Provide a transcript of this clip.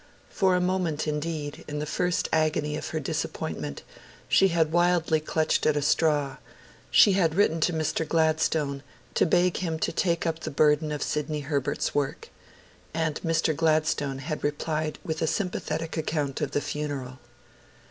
For a moment, indeed, in the first agony of her disappointment, she had wildly clutched at a straw; she had written to M. Gladstone to beg him to take up the burden of Sidney Herbert's work. And Mr. Gladstone had replied with a sympathetic account of the funeral.